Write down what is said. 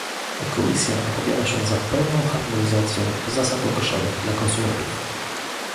Komisja opowiada się za pełną harmonizacją zasad określonych dla konsumentów